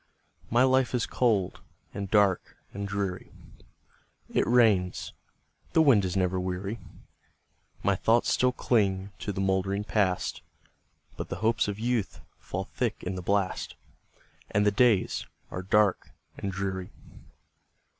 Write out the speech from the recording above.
My life is cold, and dark, and dreary; It rains, and the wind is never weary; My thoughts still cling to the mouldering Past, But the hopes of youth fall thick in the blast, And the days are dark and dreary.